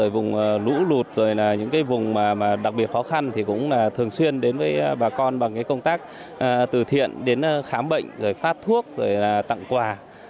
vùng lũ lụt vùng đặc biệt khó khăn thì cũng thường xuyên đến với bà con bằng công tác từ thiện đến khám bệnh phát thuốc tặng quà